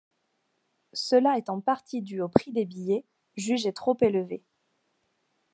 Cela est en partie dû au prix des billets, jugé trop élevé.